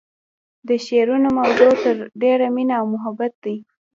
د شعرونو موضوع تر ډیره مینه او محبت دی